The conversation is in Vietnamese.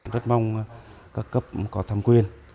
rất mong các cấp có tham quyền